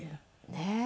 ねえ。